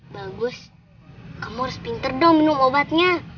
bagus kamu harus pinter dong minum obatnya